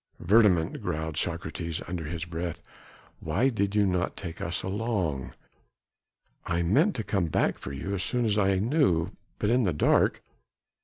"Verdommt!" growled Socrates under his breath. "Why did you not take us along?" "I meant to come back for you, as soon as I knew ... but in the dark